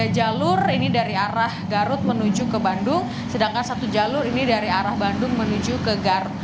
tiga jalur ini dari arah garut menuju ke bandung sedangkan satu jalur ini dari arah bandung menuju ke gar